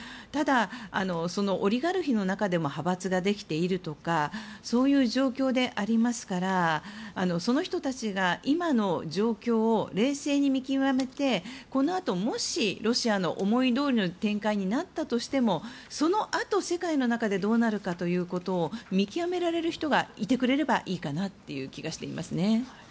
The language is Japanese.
ただ、オリガルヒの中でも派閥ができているとかそういう状況でありますからその人たちが今の状況を冷静に見極めてこのあと、もしロシアの思いどおりの展開になったとしてもそのあと、世界の中でどうなるかということを見極められる人がいてくれればいいかなという気がしていますね。